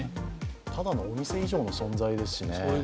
ただのお店以上の存在ですしね。